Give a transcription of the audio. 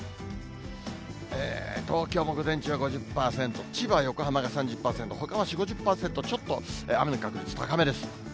東京も午前中は５０％、千葉、横浜が３０％、ほかは４、５０％、ちょっと雨の確率高めです。